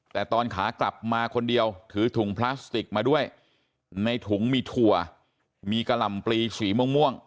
แต่ตอนขากลับมาคนเดียวถือถุงพลาสติกมาด้วยในถุงมีถั่วมีกะหล่ำปลีสีม่วง